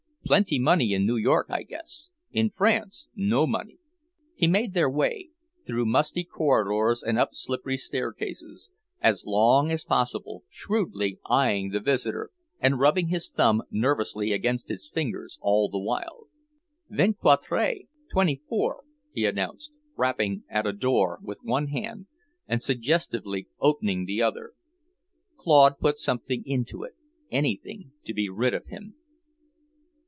"Plenty money in New York, I guess! In France, no money." He made their way, through musty corridors and up slippery staircases, as long as possible, shrewdly eyeing the visitor and rubbing his thumb nervously against his fingers all the while. "Vingt quatre, twen'y four," he announced, rapping at a door with one hand and suggestively opening the other. Claude put something into it anything to be rid of him.